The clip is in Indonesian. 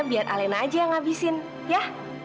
biar alena aja yang ngabisin ya